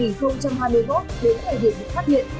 nếu hệ định được phát hiện